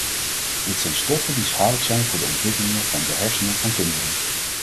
Dit zijn stoffen die schadelijk zijn voor de ontwikkeling van de hersenen van kinderen.